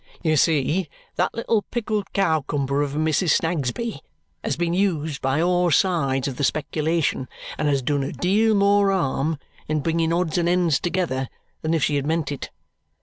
You see, that little pickled cowcumber of a Mrs. Snagsby has been used by all sides of the speculation and has done a deal more harm in bringing odds and ends together than if she had meant it.